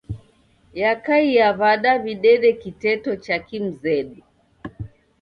Yakaia w'ada w'idede kiteto cha kimzedu?